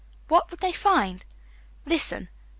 "What would they find? Listen.